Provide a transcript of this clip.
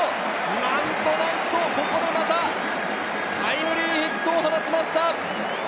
なんとここでまたタイムリーヒットを放ちました。